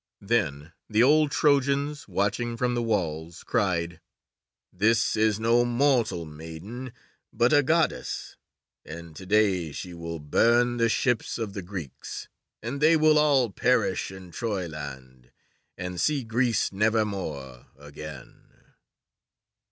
Then the old Trojans, watching from the walls, cried: "This is no mortal maiden but a Goddess, and to day she will burn the ships of the Greeks, and they will all perish in Troyland, and see Greece never more again."